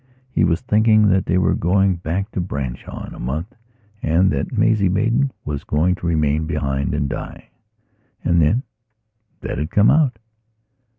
He was thinking that they were going back to Branshaw in a month and that Maisie Maidan was going to remain behind and die. And then, that had come out.